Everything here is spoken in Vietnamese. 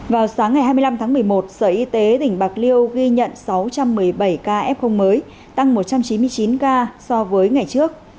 vào sáng ngày hai mươi năm tháng một mươi một sở y tế tỉnh bạc liêu ghi nhận sáu trăm một mươi bảy ca f mới tăng một trăm chín mươi chín ca so với ngày trước